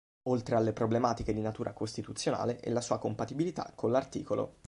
Oltre alle problematiche di natura costituzionale e la sua compatibilità con l'art.